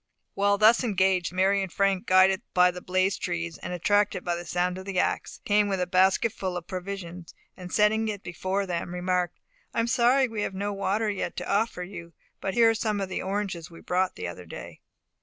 While thus engaged, Mary and Frank, guided by the blazed trees, and attracted by the sound of the ax, came with a basket full of provision, and setting it before them, remarked, "I am sorry we have no water yet to offer you, but here are some of the oranges we brought the other day."